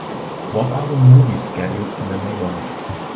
What are the movie schedules in the neighbourhood